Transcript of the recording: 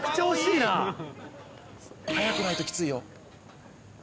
「速くないときついよ」